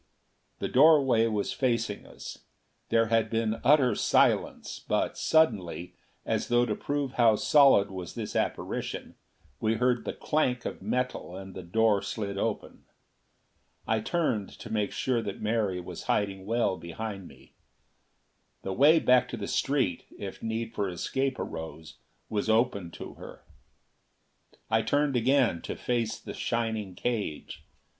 The doorway was facing us. There had been utter silence; but suddenly, as though to prove how solid was this apparition, we heard the clank of metal, and the door slid open. I turned to make sure that Mary was hiding well behind me. The way back to the street, if need for escape arose, was open to her. I turned again, to face the shining cage.